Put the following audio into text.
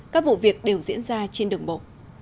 các vụ việc đều diễn ra trên đường bộ